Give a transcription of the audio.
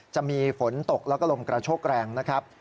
จะมีฝนตกแล้วก็ลมกระโชกแรงนะครับ